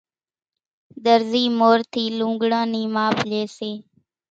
ۮرزي مورِ ٿي لوڳڙان نِي ماپ لئي سي